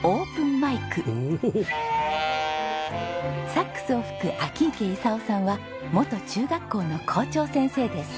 サックスを吹く秋池功さんは元中学校の校長先生です。